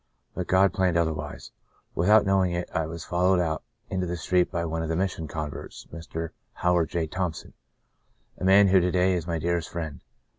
But God planned otherwise. With out knowing it I was followed out into the street by one of the Mission converts, Mr. Howard J. Thompson, a man who to day is my dearest friend.